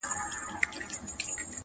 پر اسمان باندي غوړ لمر وو راختلی -